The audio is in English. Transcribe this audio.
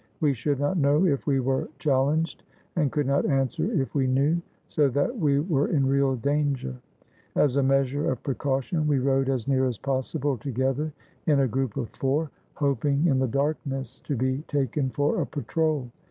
We should not know if we were chal lenged, and could not answer if we knew, so that we were in real danger. Asa measure of precaution we rode as near as possible together in a group of four, hoping, in the darkness, to be taken for a patrol.